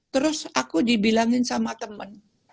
terus aku dibilangin sama temen